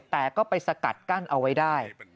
แต่ก็ไปสกัดกั้นเอาไว้ได้